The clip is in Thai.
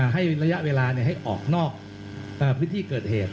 ให้ระยะเวลาให้ออกนอกพื้นที่เกิดเหตุ